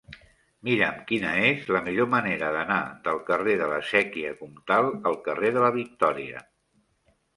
Mira'm quina és la millor manera d'anar del carrer de la Sèquia Comtal al carrer de la Victòria.